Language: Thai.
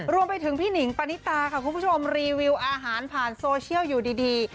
รวมไปถึงพี่หนิงปณิตาค่ะคุณผู้ชมรีวิวอาหารผ่านโซเชียลอยู่ดี